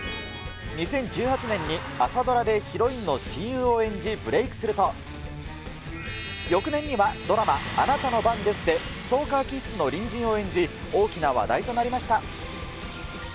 ２０１８年に朝ドラでヒロインの親友を演じブレークすると、翌年にはドラマ、あなたの番ですで、ストーカー気質の隣人を演じ、大きな話題となりました。